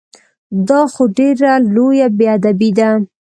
دا خو ډېره لویه بې ادبي ده!